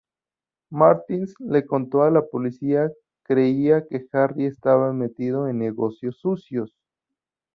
Martins le contó que la policía creía que Harry estaba metido en negocios sucios.